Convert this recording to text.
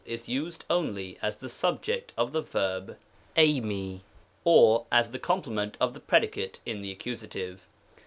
is used only as the subject of the verb dfii^ or as the complement of the predicate in the Accusative.